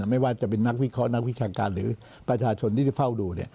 ไม่ว่าจะเป็นนักวิเคราะห์นักวิชาการหรือประชาชนที่จะเฝ้าดู